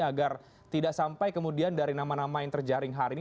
agar tidak sampai kemudian dari nama nama yang terjaring hari ini